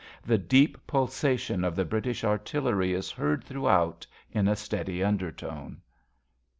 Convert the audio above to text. The deep pulsation of the British artillery is heard throughout, in a steady undertone.)